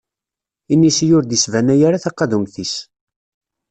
Inisi ur d-isbanay ara taqadumt-is.